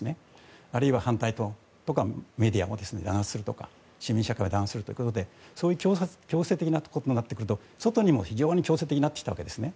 あるいは反対するメディアを弾圧するとか市民社会を弾圧するということで強制的なことになってくると外にも非常に強制的になってきたわけですね。